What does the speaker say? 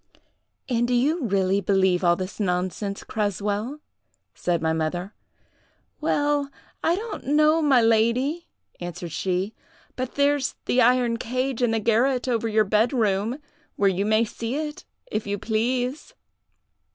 "'And do you really believe all this nonsense, Creswell?' said my mother. "'Well, I don't know, my lady,' answered she; 'but there's the iron cage in the garret over your bed room, where you may see it, if you please.